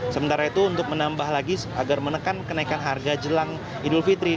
sementara itu untuk menambah lagi agar menekan kenaikan harga jelang idul fitri